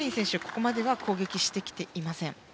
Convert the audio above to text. ここまでは攻撃してきてはいません。